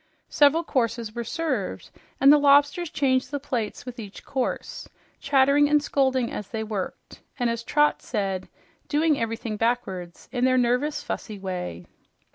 Several courses were served, and the lobsters changed the plates with each course, chattering and scolding as they worked, and as Trot said, "doing everything backwards" in their nervous, fussy way.